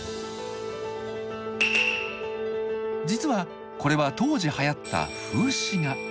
実はこれは当時流行った「風刺画」。